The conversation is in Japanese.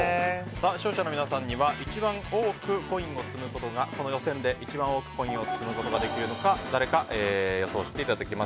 視聴者の皆さんには、一番多くコインを積むことができるのがだれか予想していただきます。